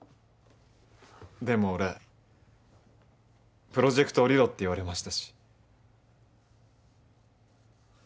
でも俺プロジェクト降りろって言われましたし。